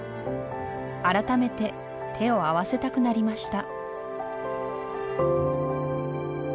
改めて手を合わせたくなりました